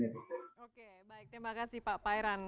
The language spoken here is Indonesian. terima kasih pak pairan